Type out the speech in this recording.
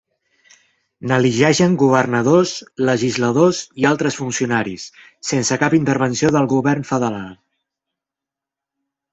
N'elegeixen governadors, legisladors i altres funcionaris, sense cap intervenció del govern federal.